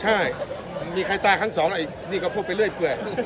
ใช่มีใครตายครั้งสองแล้วอีกนิก้าพวกไปเลื่อยเป้ย